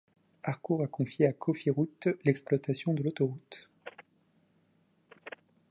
Arcour a confié à Cofiroute l'exploitation de l'autoroute.